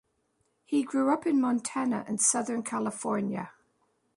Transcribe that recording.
He grew up in Montana and southern California.